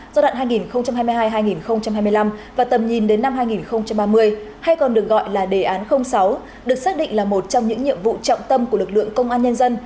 giai đoạn hai nghìn hai mươi hai hai nghìn hai mươi năm và tầm nhìn đến năm hai nghìn ba mươi hay còn được gọi là đề án sáu được xác định là một trong những nhiệm vụ trọng tâm của lực lượng công an nhân dân